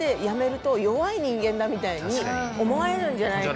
みたいに思われるんじゃないか。